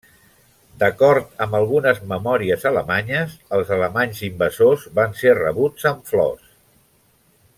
D'acord amb algunes memòries alemanyes, els alemanys invasors van ser rebuts amb flors.